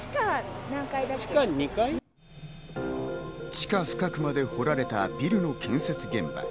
地下深くまで掘られたビルの建設現場。